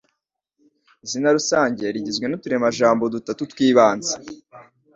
Izina rusange rigizwe n’uturemajambo dutatu tw’ibanze